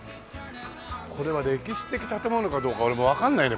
これは歴史的建物かどうか俺もわかんないね